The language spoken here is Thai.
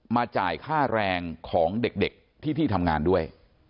จ่ายค่าแรงของเด็กที่ที่ทำงานด้วย